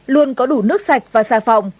luôn có đủ nước sạch và xà phòng